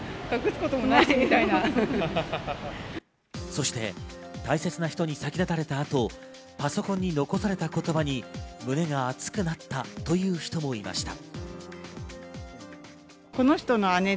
そして大切な人に先立たれたあと、パソコンに残された言葉に胸が熱くなったという人もいました。